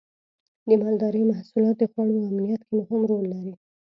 د مالدارۍ محصولات د خوړو امنیت کې مهم رول لري.